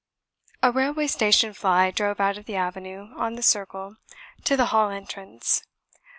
A railway station fly drove out of the avenue on the circle to the hall entrance.